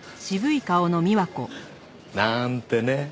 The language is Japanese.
なーんてね。